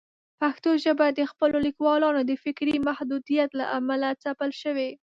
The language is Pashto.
پښتو ژبه د خپلو لیکوالانو د فکري محدودیت له امله ځپل شوې.